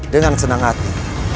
dengan senang hati